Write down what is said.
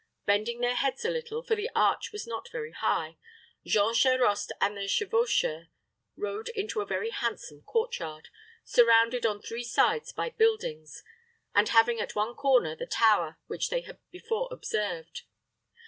Bending their heads a little, for the arch was not very high, Jean Charost and the chevaucheur rode into a very handsome court yard, surrounded on three sides by buildings, and having at one corner the tower which they had before observed.